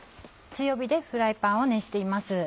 強火でフライパンを熱しています。